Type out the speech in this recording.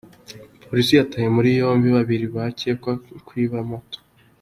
Polisi yataye muri yombi babiri bakekwaho kwiba moto